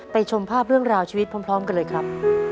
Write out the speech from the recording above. ชมภาพเรื่องราวชีวิตพร้อมกันเลยครับ